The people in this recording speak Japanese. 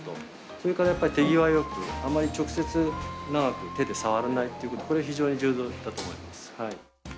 それからやっぱり手際よくあんまり直接長く手で触らないっていうことこれ非常に重要だと思います。